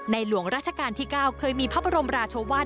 หลวงราชการที่๙เคยมีพระบรมราชวาส